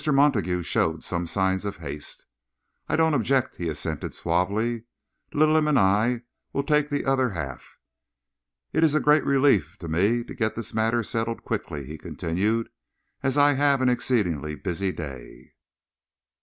Montague showed some signs of haste. "I don't object," he assented suavely. "Littleham and I will take the other half. It is a great relief to me to get this matter settled quickly," he continued, "as I have an exceedingly busy day.